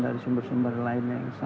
dan dari sumber sumber lainnya yang bisa